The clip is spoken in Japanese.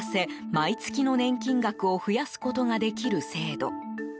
毎月の年金額を増やすことができる制度。